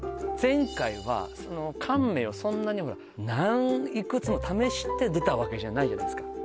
前回は乾麺をそんなにもいくつも試して出たわけじゃないじゃないですか